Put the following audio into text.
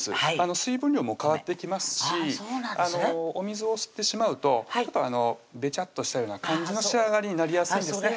水分量も変わってきますしお水を吸ってしまうとベチャッとしたような感じの仕上がりになりやすいんですね